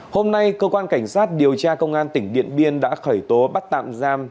hôm nay cơ quan cảnh sát điều tra công an tỉnh điện biên đã khởi tố bắt tạm giam